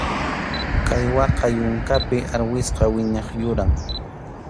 Caiguaqa yunkapi arwispa wiñaq yuram.